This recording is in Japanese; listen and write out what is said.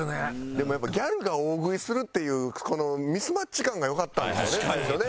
でもやっぱギャルが大食いするっていうこのミスマッチ感がよかったんでしょうね最初ね。